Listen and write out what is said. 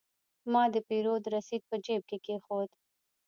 ما د پیرود رسید په جیب کې کېښود.